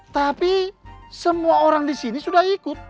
tapi semua orang di sini sudah ikut